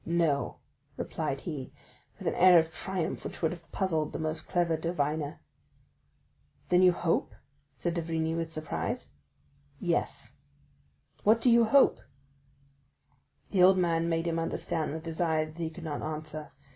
"No," replied he with an air of triumph which would have puzzled the most clever diviner. "Then you hope?" said d'Avrigny, with surprise. "Yes." "What do you hope?" The old man made him understand with his eyes that he could not answer.